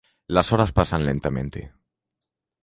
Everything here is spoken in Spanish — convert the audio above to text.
Las horas pasan lentamente.